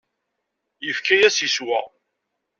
Yefka-yas yeswa.